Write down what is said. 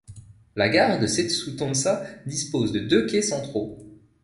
La gare de Settsu-Tonsa dispose de deux quais centraux.